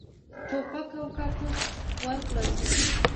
توپک او کارتوس ورکړل.